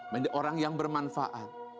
menjadi orang yang bermanfaat